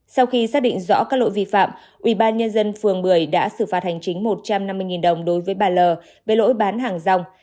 sau khi xác định rõ các lỗi vi phạm ubnd phường một mươi đã xử phạt hành chính một trăm năm mươi đồng đối với bà l về lỗi bán hàng rong